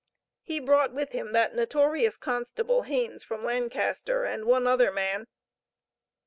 He brought with him that notorious constable, Haines, from Lancaster, and one other man.